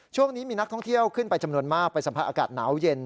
ช่วงนี้มีนักท่องเที่ยวขึ้นไปจำนวนมากไปสัมผัสอากาศหนาวเย็น